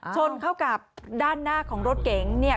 ชนเข้ากับด้านหน้าของรถเก๋งเนี่ย